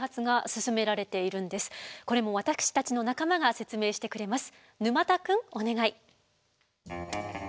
これも私たちの仲間が説明してくれます。